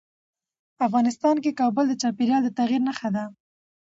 افغانستان کې کابل د چاپېریال د تغیر نښه ده.